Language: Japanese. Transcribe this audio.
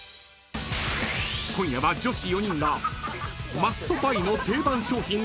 ［今夜は女子４人がマストバイの定番商品から］